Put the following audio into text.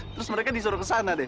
terus mereka disuruh kesana deh